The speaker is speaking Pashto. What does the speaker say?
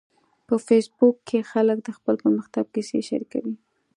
په فېسبوک کې خلک د خپل پرمختګ کیسې شریکوي